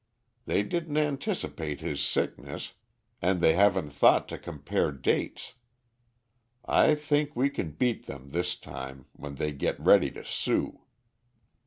They didn't anticipate his sickness, and they haven't thought to compare dates. I think we can beat them this time, when they get ready to sue."